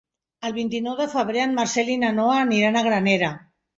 El vint-i-nou de febrer en Marcel i na Noa aniran a Granera.